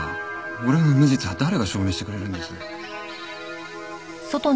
俺の無実は誰が証明してくれるんです？